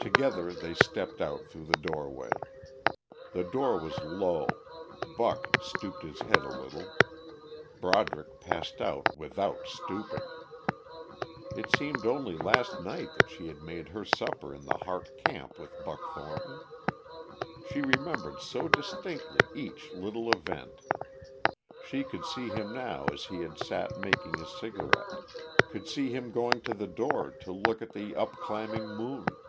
Together they stepped out through the doorway. The door was low, Buck stooped his head a little, Broderick passed out without stooping! It seemed only last night that she had made her supper in the Harte camp with Buck Thornton. She remembered so distinctly each little event. She could see him now as he had sat making his cigarette, could see him going to the door to look at the upclimbing moon.